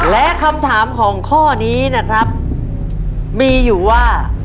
และคำถามของข้อนี้นะครับมีอยู่ว่า